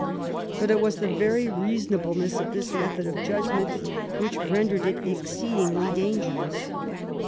But it was the very reasonableness of this method of judgment which ren dered it exceedingly dangerous.